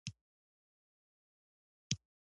مطالعه د ژوند برخه وګرځوو.